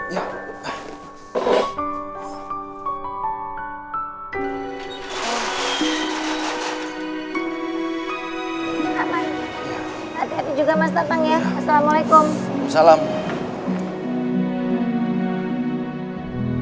pak mai hati hati juga mas datang ya assalamualaikum